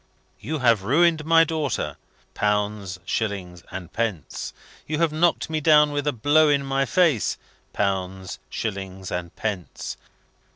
You have ruined my daughter pounds, shillings, and pence! You have knocked me down with a blow in my face pounds, shillings, and pence!